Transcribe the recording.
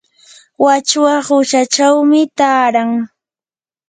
wachwa quchachawmi taaran.